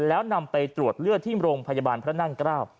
แล้วนำไปตรวจเลือดที่โรงพยาบาลพระนั่งเกล้า